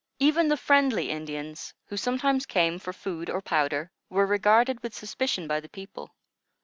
Even the friendly Indians, who sometimes came for food or powder, were regarded with suspicion by the people.